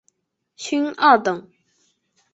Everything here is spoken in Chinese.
勋二等。